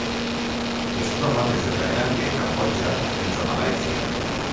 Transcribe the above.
Es troba des de Tailàndia i Cambodja fins a Malàisia.